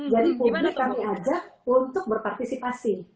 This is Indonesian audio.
jadi publik kami ajak untuk berpartisipasi